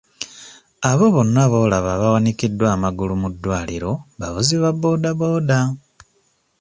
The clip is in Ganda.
Abo bonna b'olaba abawanikiddwa amagulu mu ddwaliro bavuzi ba boda boda.